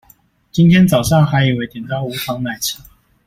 今天早上還以為點到無糖奶茶